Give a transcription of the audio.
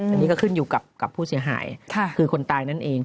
อันนี้ก็ขึ้นอยู่กับผู้เสียหายคือคนตายนั่นเอง